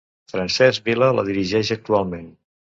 Francesc Vila la dirigeix actualment.